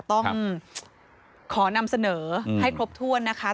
ต้องขอนำเสนอให้ครบถ้วนนะคะ